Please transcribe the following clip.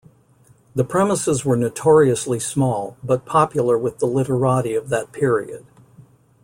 The premises were notoriously small, but popular with the literati of that period.